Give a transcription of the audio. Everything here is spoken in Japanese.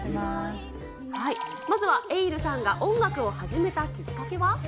まずはエイルさんが音楽を始めたきっかけは。